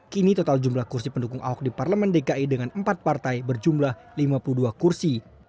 kini total jumlah kursi pendukung ahok di parlemen dki dengan empat partai berjumlah lima puluh dua kursi